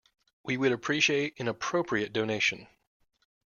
We would appreciate an appropriate donation